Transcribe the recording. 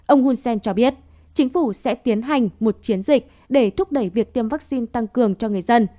ông hun sen cho biết chính phủ sẽ tiến hành một chiến dịch để thúc đẩy việc tiêm vaccine tăng cường cho người dân